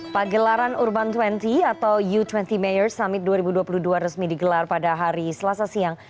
pagelaran urban dua puluh atau u dua puluh mayor summit dua ribu dua puluh dua resmi digelar pada hari selasa siang